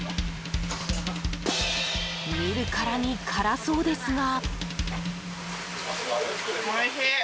見るからに辛そうですが。